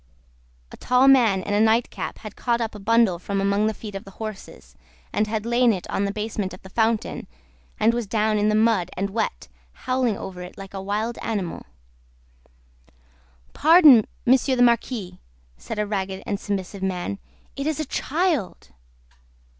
A tall man in a nightcap had caught up a bundle from among the feet of the horses, and had laid it on the basement of the fountain, and was down in the mud and wet, howling over it like a wild animal. "Pardon, Monsieur the Marquis!" said a ragged and submissive man, "it is a child."